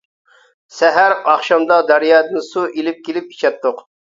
سەھەر، ئاخشامدا دەريادىن سۇ ئېلىپ كېلىپ ئىچەتتۇق.